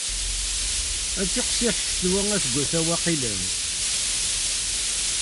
Ad tiqsiḥ ccetwa aseggas-a waqila.